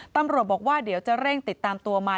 ตำรวจบอกว่าเดี๋ยวจะเร่งติดตามตัวมา